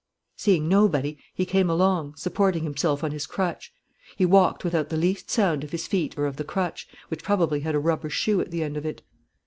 Seeing nobody, he came along, supporting himself on his crutch. He walked without the least sound of his feet or of the crutch, which probably had a rubber shoe at the end of it.